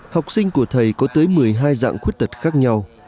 học sinh của thầy có tới một mươi hai dạng khuyết tật khác nhau